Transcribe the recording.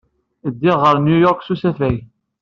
Ddiɣ ɣer New York s usafag.